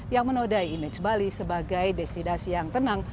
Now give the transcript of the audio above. yang menodai image bali sebagai destinasi yang tenang